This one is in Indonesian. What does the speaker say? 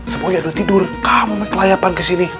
semuanya udah tidur kamu mau kelayapan kesini